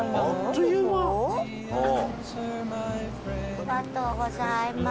ありがとうございます。